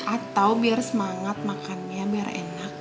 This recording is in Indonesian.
atau biar semangat makannya biar enak